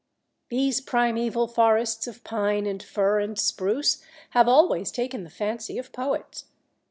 These primeval forests of Pine and Fir and Spruce have always taken the fancy of poets.